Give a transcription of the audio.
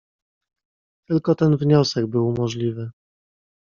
"Tylko ten wniosek był możliwy."